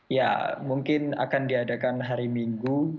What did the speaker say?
ya mungkin akan diadakan hari minggu